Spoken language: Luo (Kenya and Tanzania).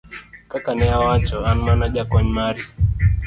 ka ka ne awacho, an mana jakony mari